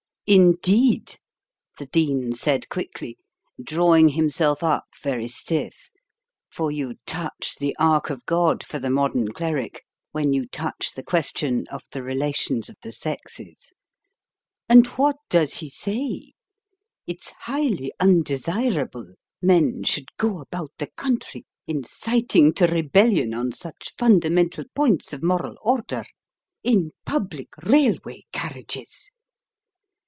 "Indeed?" the Dean said quickly, drawing himself up very stiff: for you touch the ark of God for the modern cleric when you touch the question of the relations of the sexes. "And what does he say? It's highly undesirable men should go about the country inciting to rebellion on such fundamental points of moral order in public railway carriages."